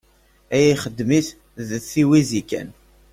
Aya ixdem-it d tiwizi kan.